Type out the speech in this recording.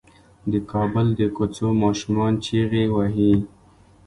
د کابل د کوڅو ماشومان چيغې وهي.